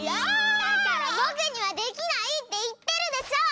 だからぼくにはできないっていってるでしょ！